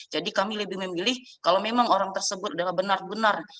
jadi kami lebih memilih kalau memang orang tersebut adalah benar benar